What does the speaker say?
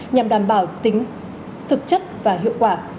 nhằm đảm bảo tính thực chất và hiệu quả